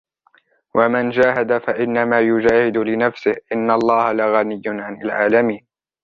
ومن جاهد فإنما يجاهد لنفسه إن الله لغني عن العالمين